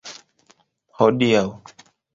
Hodiaŭ.